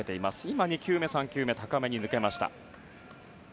今、２球目、３球目高めに抜けました。